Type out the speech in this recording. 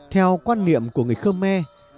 theo quan niệm của người khơ me